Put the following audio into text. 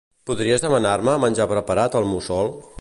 Podries demanar-me menjar preparat al Mussol?